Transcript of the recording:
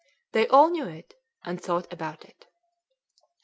They all knew it, and thought about it.